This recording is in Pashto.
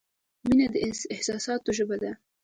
• مینه د احساساتو ژبه ده.